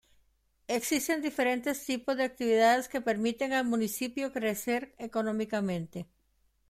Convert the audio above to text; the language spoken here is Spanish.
Existen diferentes tipos de actividades que permiten al municipio crecer económicamente.